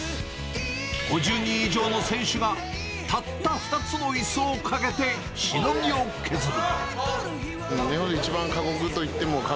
５０人以上の選手がたった２つのいすをかけてしのぎを削る。